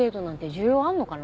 需要あんのかな？